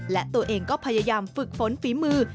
และตัวเองก็พยายามฝึกฝนฝีมือ